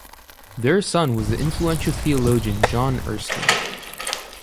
Their son was the influential theologian John Erskine.